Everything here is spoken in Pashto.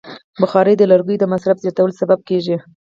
بخاري د لرګیو د مصرف زیاتوالی سبب کېږي.